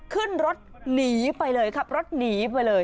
ขึ้นรถหนีไปเลยขับรถหนีไปเลย